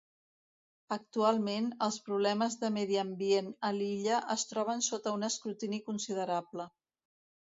Actualment, els problemes de medi ambient a l"illa es troben sota un escrutini considerable.